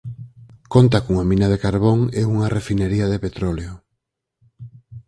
Conta cunha mina de carbón e unha refinería de petróleo.